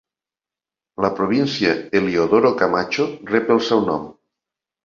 La província Eliodoro Camacho rep el seu nom.